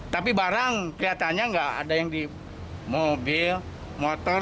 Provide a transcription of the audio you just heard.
tapi barang kelihatannya nggak ada yang di mobil motor